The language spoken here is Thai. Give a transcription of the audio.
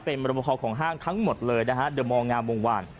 เป็นบรรพพอของห้างทั้งหมดเลยนะฮะ